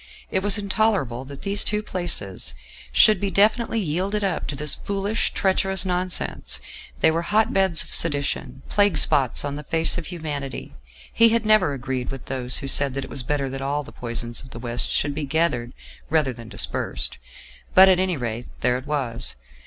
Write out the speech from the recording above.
It was intolerable that these two places should be definitely yielded up to this foolish, treacherous nonsense: they were hot beds of sedition; plague spots on the face of humanity. He had never agreed with those who said that it was better that all the poison of the West should be gathered rather than dispersed. But, at any rate, there it was.